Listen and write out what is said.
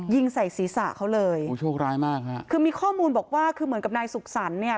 ยิงใส่ศีรษะเขาเลยโอ้โชคร้ายมากฮะคือมีข้อมูลบอกว่าคือเหมือนกับนายสุขสรรค์เนี่ย